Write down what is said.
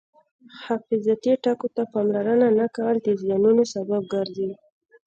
حفاظتي ټکو ته پاملرنه نه کول د زیانونو سبب ګرځي.